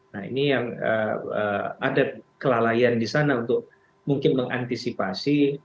nah ini yang ada kelalaian di sana untuk mungkin mengantisipasi